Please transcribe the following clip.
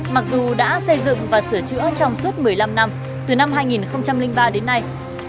mặc dù đã xây dựng và sửa chữa trong suốt một mươi năm năm từ năm hai nghìn ba đến nay